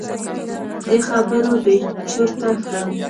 دې خبرو بې چرته کړم.